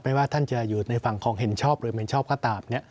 ว่าท่านจะอยู่ในฝั่งของเห็นชอบหรือไม่ชอบก็ตาม